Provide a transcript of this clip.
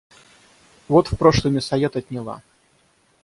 Вот в прошлый мясоед отняла.